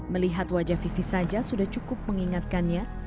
melihat wajah vivi saja sudah cukup mengingatkannya